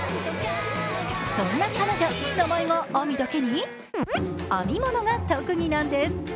そんな彼女、名前がＡＭＩだけに編み物が特技なんです。